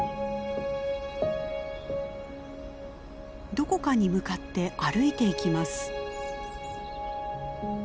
どこかに向かって歩いていきます。